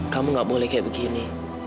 kamu gak boleh kayak begini